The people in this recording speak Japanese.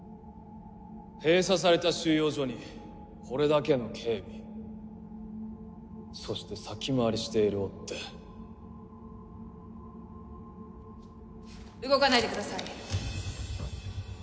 閉鎖された収容所にこれだけの警備そして先回りしている追っ手動かないでください